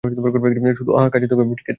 শুধু, আহ, কাছে থাকো, ঠিক আছে?